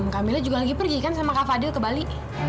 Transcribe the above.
kamila juga lagi pergi kan sama kak fadil ke bali